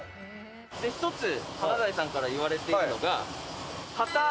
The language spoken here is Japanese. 一つ華大さんから言われているのが「カター」？